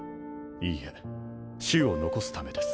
いいえ種を残すためです。